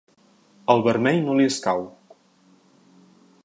El vermell no li escau.